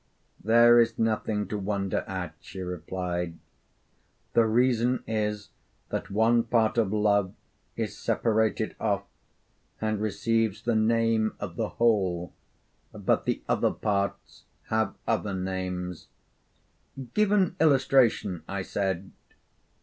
'There is nothing to wonder at,' she replied; 'the reason is that one part of love is separated off and receives the name of the whole, but the other parts have other names.' 'Give an illustration,' I said.